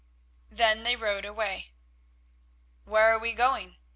Then they rowed away. "Where are we going?"